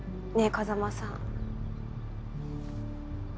風真さん。